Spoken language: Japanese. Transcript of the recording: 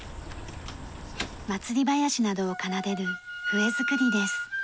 祭り囃子などを奏でる笛づくりです。